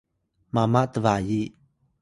mama tbayi